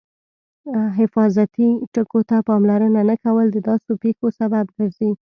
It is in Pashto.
حفاظتي ټکو ته پاملرنه نه کول د داسې پېښو سبب ګرځي.